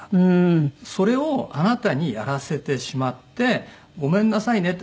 それをあなたにやらせてしまってごめんなさいねって。